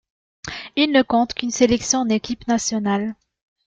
Il ne compte qu'une sélection en équipe nationale.